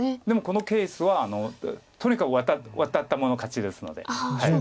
でもこのケースはとにかくワタった者勝ちですので。